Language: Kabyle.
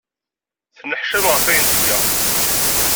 Tenneḥcam ɣef wayen tga.